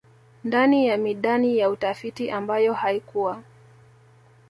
ndani ya midani ya utafiti ambayo haikuwa